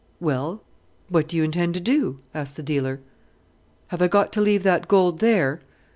"Well what do you intend to do?" asked the dealer. "Have I got to leave that gold there?"